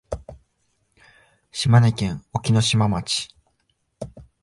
島根県隠岐の島町